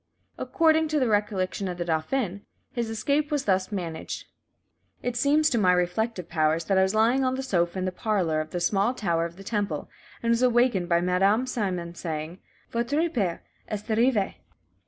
According to the recollection of the dauphin, his escape was thus managed: "It seems to my reflective powers that I was lying on the sofa in the parlour of the small Tower of the Temple, and was awakened by Madame Simon saying, 'Votre père est arrivé.'